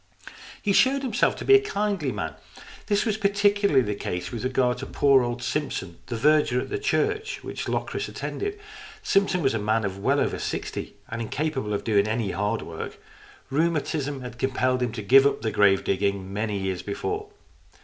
He showed himself to be a kindly man. This was particularly the case with regard to poor old Simpson, the verger at the church which Locris attended. Simpson was a man of well over sixty, and incapable of doing any hard work. Rheuma tism had compelled him to give up the grave digging many years before.